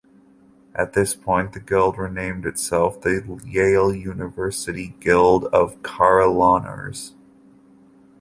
At this point the Guild renamed itself the Yale University Guild of Carillonneurs.